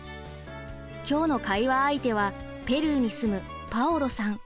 今日の会話相手はペルーに住むパオロさん。